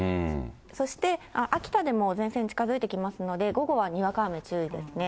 そして秋田でも前線近づいてきますので、午後はにわか雨注意ですね。